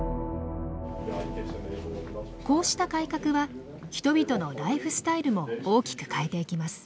こうした改革は人々のライフスタイルも大きく変えていきます。